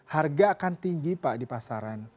harga akan tinggi pak di pasaran